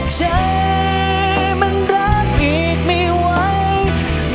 ใจมันรักอีกไม่ไหว